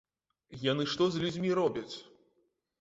Яны што з людзьмі робяць?